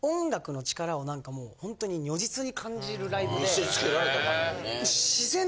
見せつけられた感じやね。